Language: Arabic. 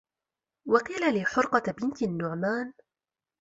وَقِيلَ لِحُرْقَةَ بِنْتِ النُّعْمَانِ